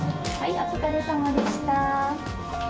お疲れさまでした。